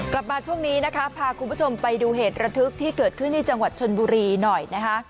กลับมาช่วงนี้นะคะพาคุณผู้ชมไปดูเหตุระทึกที่เกิดขึ้นที่จังหวัดชนบุรีหน่อยนะคะ